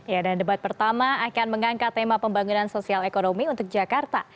ya dan debat pertama akan mengangkat tema pembangunan sosial ekonomi untuk jakarta